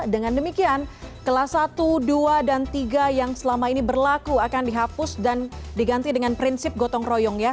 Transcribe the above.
dengan demikian kelas satu dua dan tiga yang selama ini berlaku akan dihapus dan diganti dengan prinsip gotong royong ya